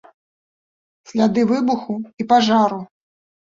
Сляды выбуху і пажару.